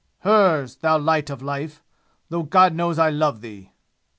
Hers, thou light of life though God knows I love thee!"